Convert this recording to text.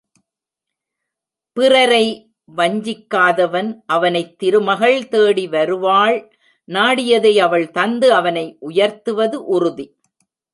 பிறரை வஞ்சிக்காதவன் அவனைத் திருமகள் தேடி வருவாள் நாடியதை அவள் தந்து அவனை உயர்த்துவது உறுதி.